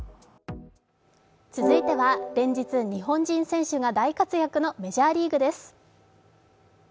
続いては連日日本人選手が大活躍のメジャーリーグです。